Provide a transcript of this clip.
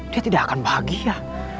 dia tidak akan bahagia